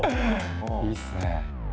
いいっすね。